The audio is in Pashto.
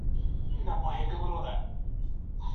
د ده ټول ښکلي ملګري